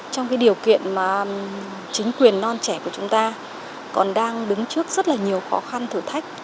trong điều kiện mà chính quyền non trẻ của chúng ta còn đang đứng trước rất là nhiều khó khăn thử thách